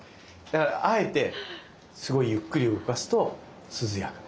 だからあえてすごいゆっくり動かすと涼やか。